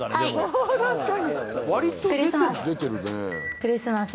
クリスマス。